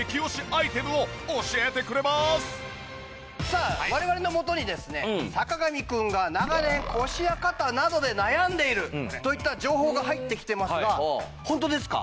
さあ我々のもとにですね坂上くんが長年腰や肩などで悩んでいるといった情報が入ってきてますが本当ですか？